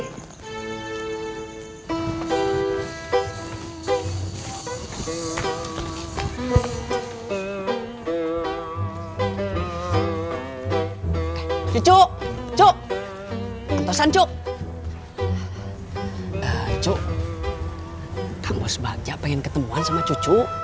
hai suhu suhu contohan cuk cuk kamu sebagian pengen ketemuan sama cucu